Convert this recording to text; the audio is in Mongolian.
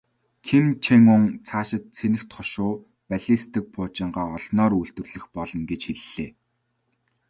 Ким Чен Ун цаашид цэнэгт хошуу, баллистик пуужингаа олноор үйлдвэрлэх болно гэж хэллээ.